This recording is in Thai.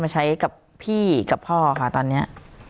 ใช้กับพี่กับพ่อค่ะตอนนี้